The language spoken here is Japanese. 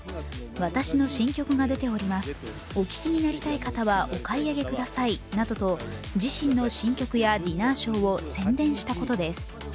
私の新曲が出ております、お聴きになりたい方は、お買い上げくださいなどと自身の新曲やディナーショーを宣伝したことです。